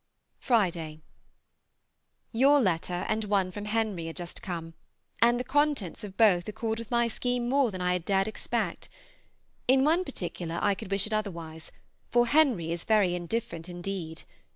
Friday. Your letter and one from Henry are just come, and the contents of both accord with my scheme more than I had dared expect. In one particular I could wish it otherwise, for Henry is very indifferent indeed.